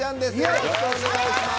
よろしくお願いします。